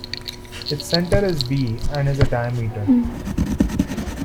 Its centre is V, and is a diameter.